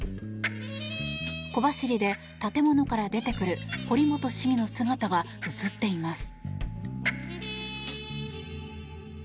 小走りで建物から出てくる堀本市議の姿が映っています。